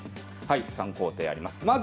３工程あります。